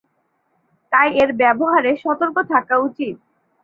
তাই এর ব্যবহারে সতর্ক থাকা উচিত।